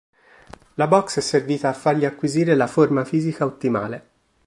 La boxe è servita a fargli acquisire la forma fisica ottimale.